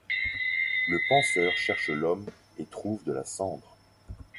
Le penseur cherche l’homme et trouve de la cendre.